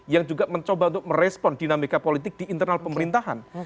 yang juga mencoba untuk merespon dinamika politik di internal pemerintahan